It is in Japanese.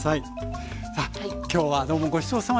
さあ今日はどうもごちそうさまでした。